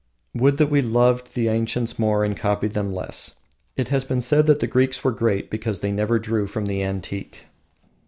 Would that we loved the ancients more and copied them less! It has been said that the Greeks were great because they never drew from the antique.